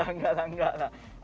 enggak lah enggak lah